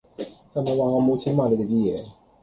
係咪話我地無錢買你地 d 野